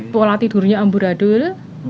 pola tidurnya ambur adul